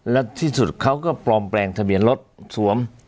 และที่สุดเขาก็ปลอมแปลงทะเบียนรถสวม